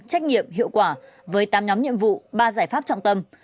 trách nhiệm hiệu quả với tám nhóm nhiệm vụ ba giải pháp trọng tâm